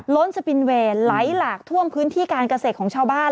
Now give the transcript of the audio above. ล้นสปินเวย์ไหลหลากท่วมพื้นที่การเกษตรของชาวบ้าน